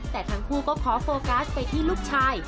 แต่ทั้งคู่ก็ขอโฟกัสไปที่ลูกชาย